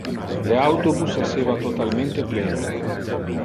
Le autobus esseva totalmente plen.